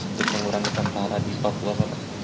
untuk mengurangkan malah di papua pak